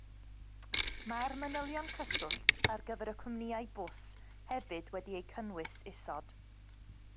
Mae'r manylion cyswllt ar gyfer y cwmnïau bws hefyd wedi eu cynnwys isod